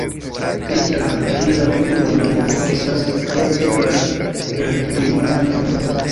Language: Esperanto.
Feliĉa lando, kie la vundoj de la koro estas kuraceblaj per kvin-frankaj moneroj!